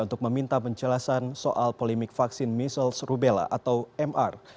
untuk meminta penjelasan soal polemik vaksin measles rubella atau mr